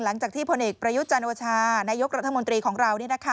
หลังจากที่พณฑประยุติจันทรวชานายกรัฐมนตรีของเรา